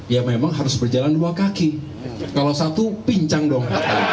ya memang harus berjalan dua kaki kalau satu pincang dong